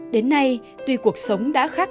đến nay tuy cuộc sống đã khác